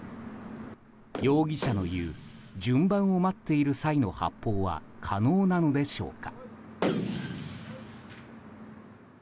容疑者の言う順番を待っている際の発砲は可能なのでしょうか。